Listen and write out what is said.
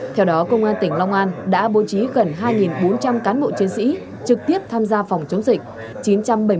theo đó công an tỉnh long an đã bố trí gần hai bốn trăm linh cán bộ chiến sĩ trực tiếp tham gia phòng chống dịch